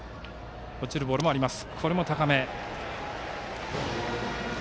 落ちるボールもあります。